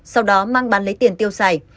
sau đó mang bán lấy tiền tiêu xài